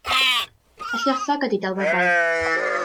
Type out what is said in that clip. Y lluosog ydy delweddau.